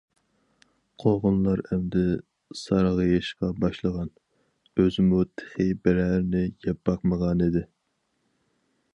قوغۇنلار ئەمدى سارغىيىشقا باشلىغان، ئۆزىمۇ تېخى بىرەرنى يەپ باقمىغانىدى.